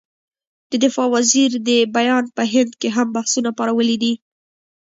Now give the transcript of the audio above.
د دفاع وزیر دې بیان په هند کې هم بحثونه پارولي دي.